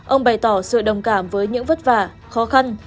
ông bày tỏ sự đồng cảm với những vất vả khó khăn